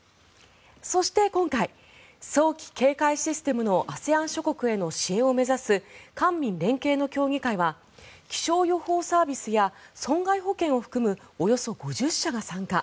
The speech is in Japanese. そして今回、早期警戒システムのＡＳＥＡＮ諸国への支援を目指す官民連携の協議会は気象予報サービスや損害保険を含むおよそ５０社が参加。